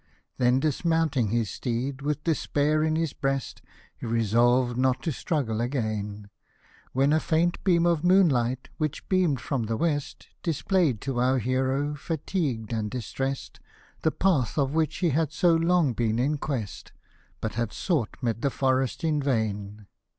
Then dismounting his steed with despair in his breast, He resolved not to struggle again ; When a faint beam of moon light which beam'd from the west, Display 'd to our hero, fatigu'd and distrest, The path of which he had so long been in quest, But had sought mid the forest in vain.